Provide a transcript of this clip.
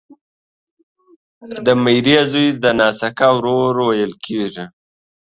د ميرې زوی ته ناسکه ورور ويل کیږي